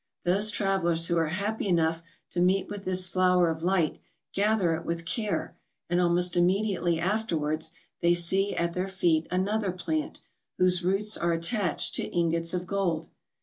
Those travellers who are happy enough to meet with this flower of light gather it with care, and almost immediately afterwards they see at their feet another plant, whose roots are attached to ingots of gold.